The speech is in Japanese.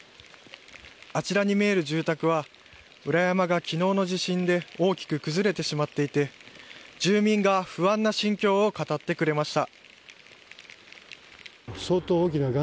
あちらに見える住宅は裏山が、昨日の地震で大きく崩れてしまっていて住民が不安な心境を語ってくれました。